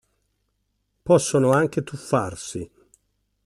Possono anche tuffarsi.